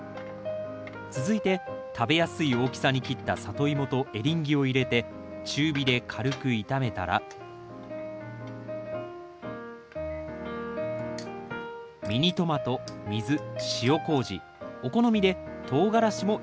続いて食べやすい大きさに切ったサトイモとエリンギを入れて中火で軽く炒めたらミニトマト水塩こうじお好みでトウガラシも入れます。